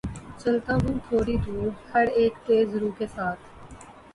چلتا ہوں تھوڑی دور‘ ہر اک تیز رو کے ساتھ